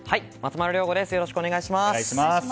よろしくお願いします。